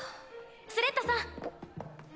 スレッタさん。